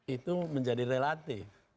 itu menjadi relatif